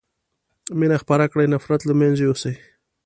مينه خپره کړي نفرت له منځه يوسئ